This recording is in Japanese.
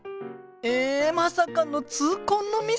えまさかの痛恨のミス！